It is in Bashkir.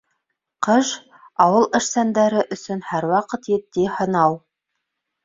Ҡыш — ауыл эшсәндәре өсөн һәр ваҡыт етди һынау.